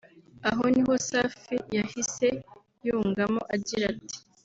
Aha niho Safi yahise yungamo agira ati